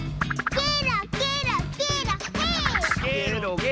ケロケロケロヘイ！